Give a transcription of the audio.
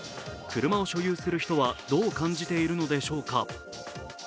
車を所有する人はどのように感じているのでしょうか。